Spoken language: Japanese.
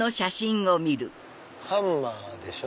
ハンマーでしょ？